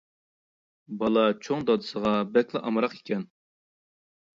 بالا چوڭ دادىسىغا بەكلا ئامراق ئىكەن.